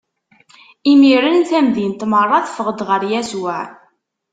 Imiren tamdint meṛṛa teffeɣ-d ɣer Yasuɛ.